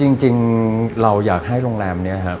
จริงเราอยากให้โรงแรมนี้ครับ